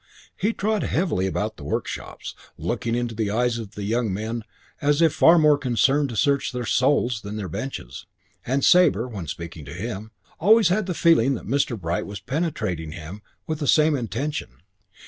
He trod heavily about the workshops, looking into the eyes of the young men as if far more concerned to search their souls than their benches; and Sabre, when speaking to him, always had the feeling that Mr. Bright was penetrating him with the same intention.